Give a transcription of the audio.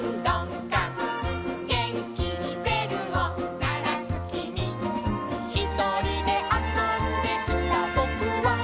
「げんきにべるをならすきみ」「ひとりであそんでいたぼくは」